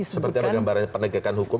seperti apa gambarnya penegakan hukuman